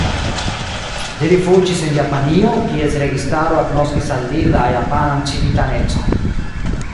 Li rifuĝis en Japanio, kies registaro agnoskis al li la japanan civitanecon.